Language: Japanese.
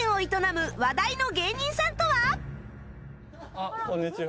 あっこんにちは。